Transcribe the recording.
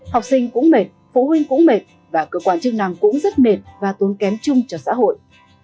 học sinh cũng mệt phụ huynh cũng mệt và cơ quan chức năng cũng rất mệt và tốn kém chung cho xã hội